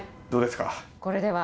どうですか？